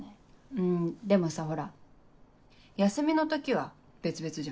うんでもさほら休みの時は別々じゃん。